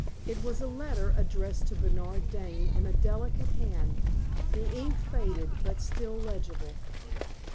It was a letter addressed to Bernard Dane in a delicate hand, the ink faded, but still legible.